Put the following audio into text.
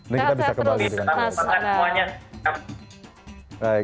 dan kita bisa kembali lagi